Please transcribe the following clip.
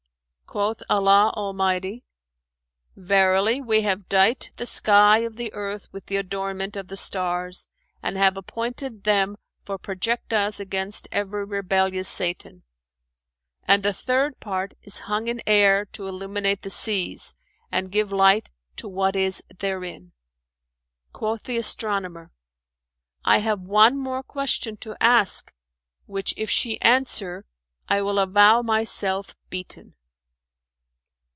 Quoth Allah Almighty, 'Verily, we have dight the sky of the earth with the adornment of the stars; and have appointed them for projectiles against every rebellious Satan.'[FN#428] And the third part is hung in air to illuminate the seas and give light to what is therein." Quoth the astronomer, "I have one more question to ask, which if she answer, I will avow myself beaten."